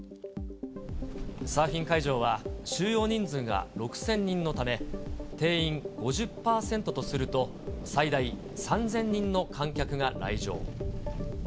サーフィン会場は、収容人数が６０００人のため、定員５０％とすると、最大３０００人の観客が来場。